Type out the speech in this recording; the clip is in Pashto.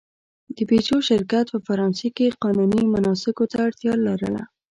د پيژو شرکت په فرانسې کې قانوني مناسکو ته اړتیا لرله.